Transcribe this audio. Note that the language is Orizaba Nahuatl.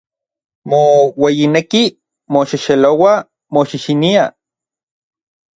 Moueyinekij, moxexelouaj, moxixiniaj.